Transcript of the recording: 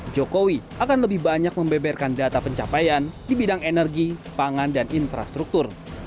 jokowi akan lebih banyak membeberkan data pencapaian di bidang energi pangan dan infrastruktur